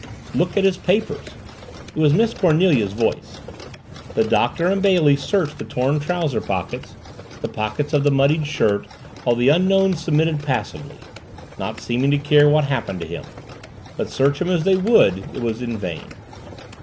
"Look at his papers." It was Miss Cornelia's voice. The Doctor and Bailey searched the torn trouser pockets, the pockets of the muddied shirt, while the Unknown submitted passively, not seeming to care what happened to him. But search him as they would it was in vain.